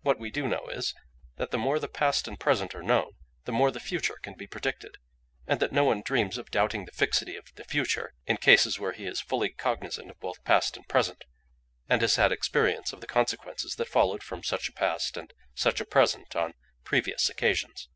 What we do know is, that the more the past and present are known, the more the future can be predicted; and that no one dreams of doubting the fixity of the future in cases where he is fully cognisant of both past and present, and has had experience of the consequences that followed from such a past and such a present on previous occasions.